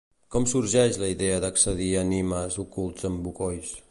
Com sorgeix la idea d'accedir a Nimes ocults en bocois?